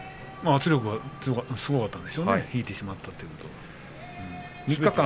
圧力がすごかったでしょうね引いてしまったということは。